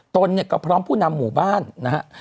ตนก็พร้อมผู้นำหมู่บ้านนะครับ